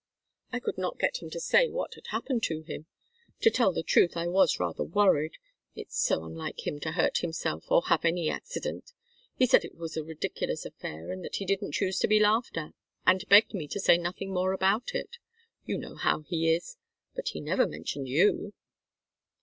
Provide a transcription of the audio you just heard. I could not get him to say what had happened to him. To tell the truth, I was rather worried. It's so unlike him to hurt himself, or have any accident. He said it was a ridiculous affair, and that he didn't choose to be laughed at, and begged me to say nothing more about it. You know how he is. But he never mentioned you."